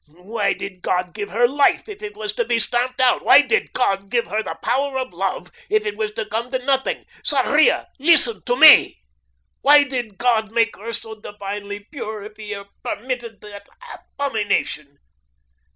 Why did God give her life if it was to be stamped out? Why did God give her the power of love if it was to come to nothing? Sarria, listen to me. Why did God make her so divinely pure if He permitted that abomination?